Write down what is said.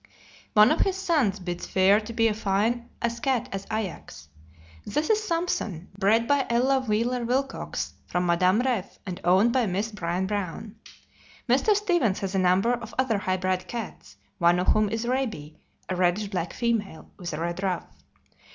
One of his sons bids fair to be as fine a cat as Ajax. This is Sampson, bred by Ella Wheeler Wilcox, from Madame Ref, and owned by Mrs. Brian Brown. Mr. Stevens has a number of other high bred cats, one of whom is Raby, a reddish black female, with a red ruff.